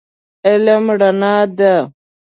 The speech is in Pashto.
علم رڼا ده.